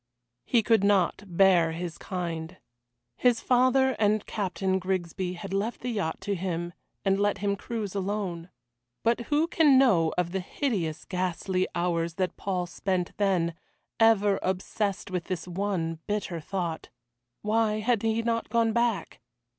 He could not bear his kind. His father and Captain Grigsby had left the yacht to him and let him cruise alone. But who can know of the hideous, ghastly hours that Paul spent then, ever obsessed with this one bitter thought? Why had he not gone back?